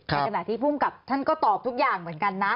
ขณะที่ภูมิกับท่านก็ตอบทุกอย่างเหมือนกันนะ